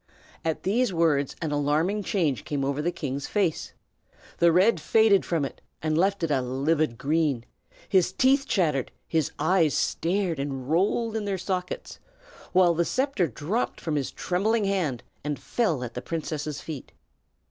At these words an alarming change came over the king's face. The red faded from it, and left it a livid green; his teeth chattered; his eyes stared, and rolled in their sockets; while the sceptre dropped from his trembling hand and fell at the princess's feet.